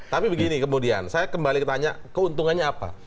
tapi begini kemudian saya kembali ketanya keuntungannya apa